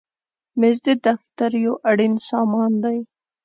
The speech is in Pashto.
مېز د دفتر یو اړین سامان دی.